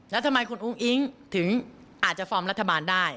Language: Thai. แล้วทำไมคุณอุ้งอิ๊งถึงอาจจะฟอร์มรัฐบาลได้